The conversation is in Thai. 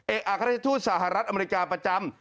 เอกอักษัตริย์ทูตสหรัฐอเมริกาประจำ